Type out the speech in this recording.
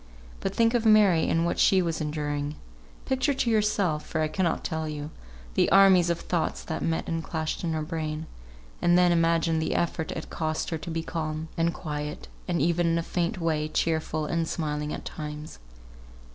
But think of Mary and what she was enduring! Picture to yourself (for I cannot tell you) the armies of thoughts that met and clashed in her brain; and then imagine the effort it cost her to be calm, and quiet, and even, in a faint way, cheerful and smiling at times.